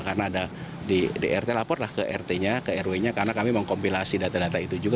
karena ada di rt lapor lah ke rt nya ke rw nya karena kami mengkompilasi data data itu juga